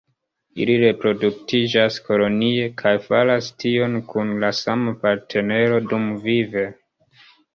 Ili reproduktiĝas kolonie, kaj faras tion kun la sama partnero dumvive.